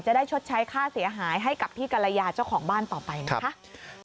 ได้ชดใช้ค่าเสียหายให้กับพี่กรยาเจ้าของบ้านต่อไปนะคะ